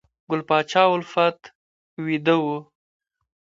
ګل پاچا الفت بیده و